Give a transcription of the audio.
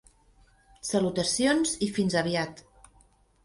Salutacions i fins aviat